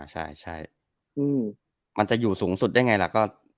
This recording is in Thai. ใช่มันจะอยู่สูงสุดได้ไงล่ะก็